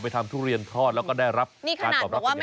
ทุเรียนทอดแล้วก็ได้รับการกรอบรับกันอย่างนี้